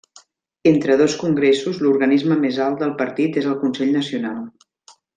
Entre dos congressos l'organisme més alt del partit és el Consell Nacional.